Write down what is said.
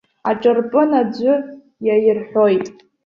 Аҿырпын аӡәы иаирҳәоит.